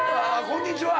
こんにちは